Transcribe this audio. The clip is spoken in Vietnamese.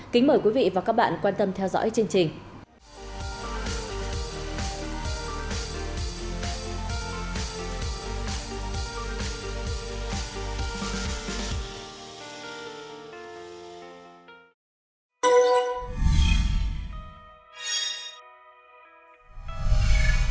kính mời quý vị và các bạn quan tâm theo dõi chương trình